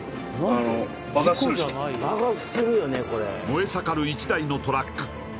燃え盛る１台のトラック